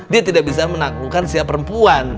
dia tidak bisa menaklukkan siapa perempuan